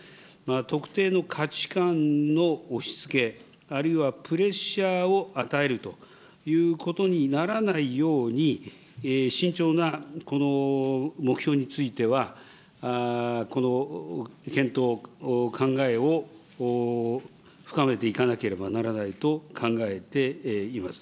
特定の価値観の押しつけ、あるいはプレッシャーを与えるということにならないように、慎重なこの目標については検討、考えを深めていかなければならないと考えています。